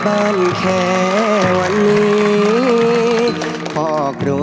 ดูกว่าคนอยู่ในบุคคล